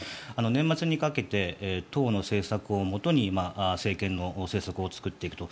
年末にかけて党の政策をもとに政権の政策を作っていくと。